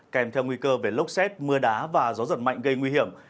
kèm theo nguy cơ về lốc xét mưa đá và gió giật mạnh gây nguy hiểm